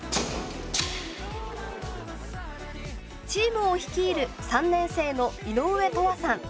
チームを率いる３年生の井上永遠さん。